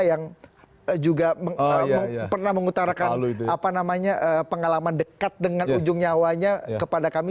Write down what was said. yang juga pernah mengutarakan pengalaman dekat dengan ujung nyawanya kepada kami